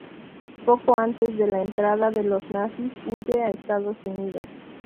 Poco antes de la entrada de los nazis, huye a Estados Unidos.